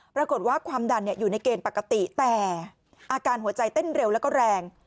ปรากฏว่าความดันอยู่ในเกณฑ์ปกติแต่อาการหัวใจเต้นเร็วแล้วก็แรง